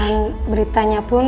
si buruk rupa